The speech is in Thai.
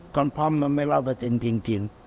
คนพร้อมมันไม่เหลือเปตนจริง